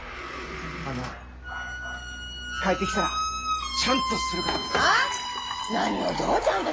あの帰ってきたらちゃんとするから。